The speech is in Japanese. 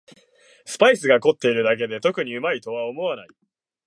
スパイスが凝ってるだけで特にうまいと思わない